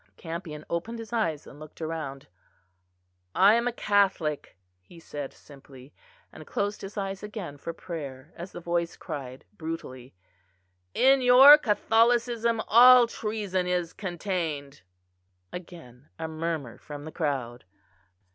Campion opened his eyes and looked round. "I am a Catholic," he said simply; and closed his eyes again for prayer, as the voice cried brutally: "In your Catholicism all treason is contained." Again a murmur from the crowd.